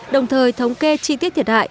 đồng thời thống kê chi tiết thiệt hại